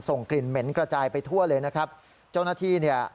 ส่งกลิ่นเหม็นกระจายไปทั่วเลยนะครับเจ้าหน้าที่เนี่ย